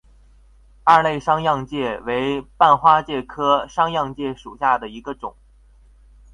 二肋商鞅介为半花介科商鞅介属下的一个种。